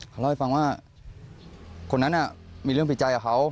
เขาเล่าให้ฟังว่าคนนั้นมีเรื่องผิดใจกับเขา